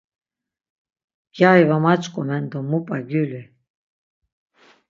Gyari var maç̌ǩomen do mu p̌a gyuli!